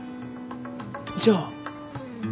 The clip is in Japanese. じゃあ。